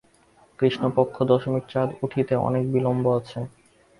কৃষ্ণপক্ষ দশমীর চাঁদ উঠিতে অনেক বিলম্ব আছে।